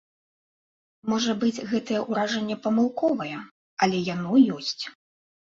Можа быць, гэтае ўражанне памылковае, але яно ёсць.